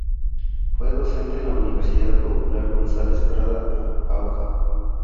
Fue docente en la Universidad Popular González Prada en Jauja.